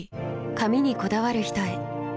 髪にこだわる人へ。